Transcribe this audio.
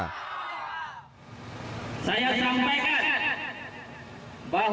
saya sampaikan bahwa ketika kita berhasil membongkar kota